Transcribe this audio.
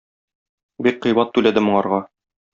Бик кыйбат түләде моңарга.